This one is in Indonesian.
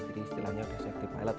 jadi istilahnya sudah safety pilot